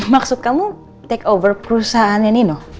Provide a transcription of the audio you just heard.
maksud kamu take over perusahaannya nino